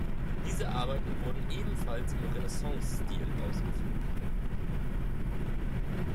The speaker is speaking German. Diese Arbeiten wurden ebenfalls im Renaissance-Stil ausgeführt.